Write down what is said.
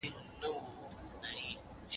د تګ راتګ محدودیتونه باید قانوني اساس ولري.